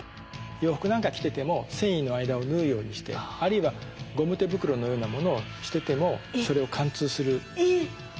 洋服なんか着てても繊維の間を縫うようにしてあるいはゴム手袋のようなものをしててもそれを貫通する鋭さがあります。